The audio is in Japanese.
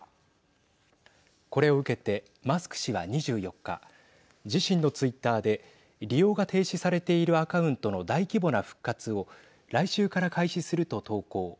これを受けてマスク氏は２４日自身のツイッターで利用が停止されているアカウントの大規模な復活を来週から開始すると投稿。